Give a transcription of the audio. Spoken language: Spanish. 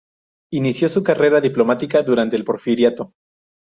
Inicio su carrera diplomática durante el Porfiriato.